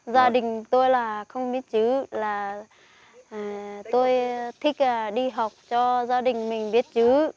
gia đình tôi là không biết chữ là tôi thích đi học cho gia đình mình biết chữ